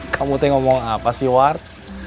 kamu tuh ngomong apa sih war